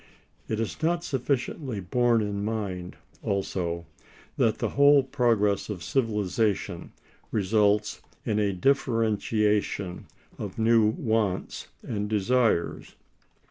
It is not sufficiently borne in mind, also, that the whole progress of civilization results in a differentiation of new wants and desires.